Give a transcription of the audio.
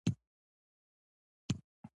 د سرچینو زبېښاک هم د دوی هیلې وې.